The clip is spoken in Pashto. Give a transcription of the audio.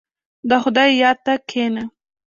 • د خدای یاد ته کښېنه.